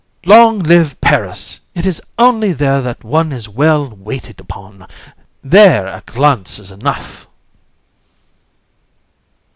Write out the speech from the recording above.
COUN. Long live Paris! It is only there that one is well waited upon; there a glance is enough.